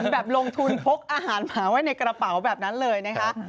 แบบลงทุนพกอาหารหมาไว้ในกระเป๋าแบบนั้นเลยนะคะ